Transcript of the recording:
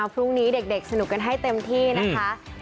พรุ่งนี้เด็กสนุกกันให้เต็มที่นะคะ